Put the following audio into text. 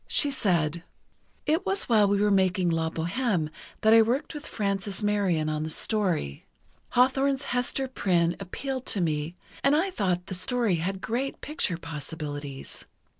She said: "It was while we were making 'La Bohême' that I worked with Frances Marion on the story. Hawthorne's Hester Prynne appealed to me, and I thought the story had great picture possibilities.